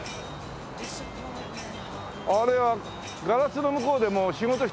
あれはガラスの向こうでも仕事してるからね。